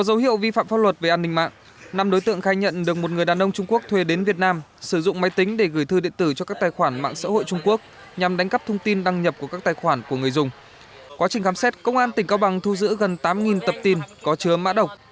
quá trình khám xét công an tỉnh cao bằng thu giữ gần tám tập tin có chứa mã độc